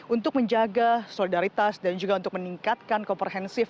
untuk menjaga solidaritas dan juga untuk meningkatkan komprehensif